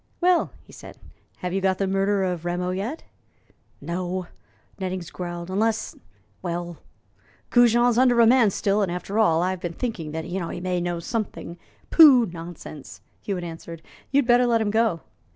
"Well," he said, "have you got the murderer of Rameau yet?" "No," Nettings growled. "Unless well, Goujon's under remand still, and, after all, I've been thinking that he may know something " "Pooh, nonsense!" Hewitt answered. "You'd better let him go.